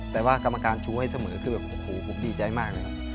แต่กรรมการย์ชูให้เสมอคือบีใจมากเลย